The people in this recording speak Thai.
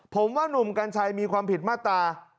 ผมว่านุ่มกัญชัยมีความผิดมาตรา